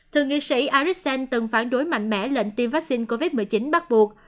thượng nghị sĩ arixen từng phản đối mạnh mẽ lệnh tiêm vaccine covid một mươi chín bắt buộc